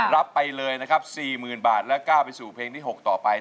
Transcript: รับไปเลยนะครับ๔๐๐๐บาทและก้าวไปสู่เพลงที่๖ต่อไป